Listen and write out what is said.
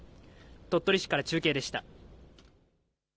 鳥取市から中継でした。